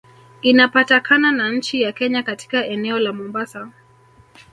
Inapatakana na nchi ya kenya katika eneo la mombasa